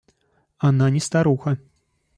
Она не старуха.